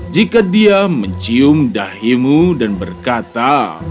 jika dia mencium dahimu dan berkata